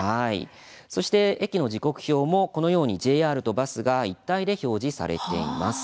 そして駅の時刻表もこのようにＪＲとバスが一体で表示されています。